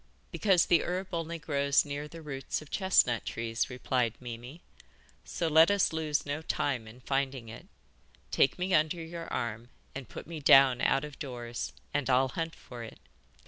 'Because the herb only grows near the roots of chestnut trees,' replied Mimi; 'so let us lose no time in finding it. Take me under your arm and put me down out of doors, and I'll hunt for it.